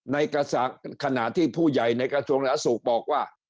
ในกระสาทขณะที่ผู้ใหญ่ในกระทรวงละอสูรบอกว่า